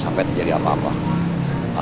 sampai jumpa lagi mbak ya